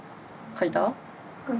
書いた。